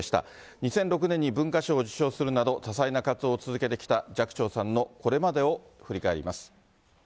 ２００６年に文化賞を受賞するなど、多才な活動を続けてきた寂聴さんのこれまでを振り返ります。